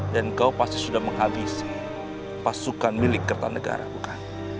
dan kau pasti sudah menghabisi pasukan milik kertanegara bukan